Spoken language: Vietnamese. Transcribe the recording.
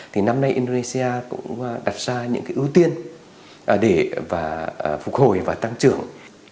thì năm nay indonesia cũng đặt ra những cái ưu tiên để phục hồi và tăng trưởng